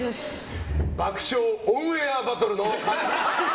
「爆笑オンエアバトル」の。